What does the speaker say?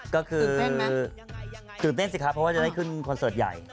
ก็คือตื่นเต้นสิครับเพราะว่าจะได้ขึ้นคอนเสิร์ตใหญ่